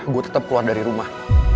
gue tetap keluar dari rumah